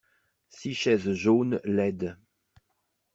Six chaises jaunes laides.